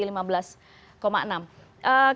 kaget tidak kak mama dengan hasil ini